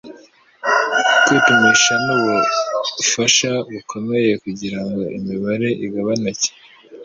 Kwipimisha nubufasha bukomeye kugirango imibare igabanuke